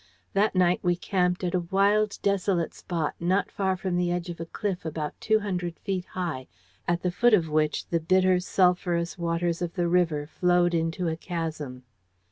That night we camped at a wild desolate spot, not far from the edge of a cliff about two hundred feet high, at the foot of which the bitter sulphurous waters of the river flowed into a chasm.